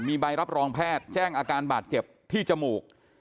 มีใบรับรองแพทย์แจ้งอาการบาดเจ็บที่จมูก